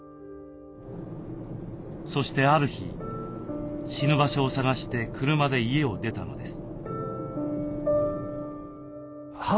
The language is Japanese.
そしてある日死ぬ場所を探して車で家を出たのです。